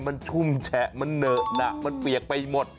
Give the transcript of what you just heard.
มันชุ่มแฉะมันเหนอะหนักมันเปียกไปหมด